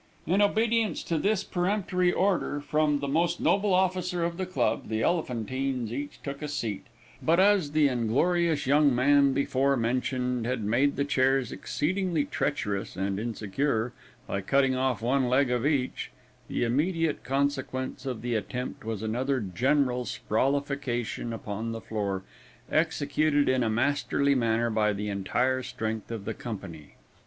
In obedience to this peremptory order from the most noble officer of the club, the Elephantines each took a seat, but as the inglorious young man before mentioned had made the chairs exceedingly treacherous and insecure, by cutting off one leg of each, the immediate consequence of the attempt was another general sprawlification upon the floor, executed in a masterly manner by the entire strength of the company.